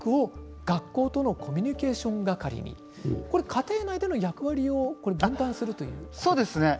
家庭内での役割を分担するということですか？